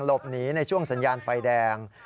หลบหนีในช่วงสัญญาณไฟแดง